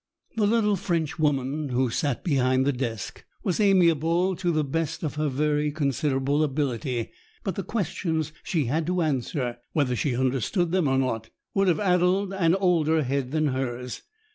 The little Frenchwoman who sat behind the desk was amiable to the best of her very considerable ability, but the questions she had to answer, whether she understood them or not, would have addled an older head than hers.